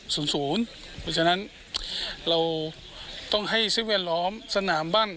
เพราะฉะนั้นเราต้องให้สิ่งแวดล้อมสนามบ้าน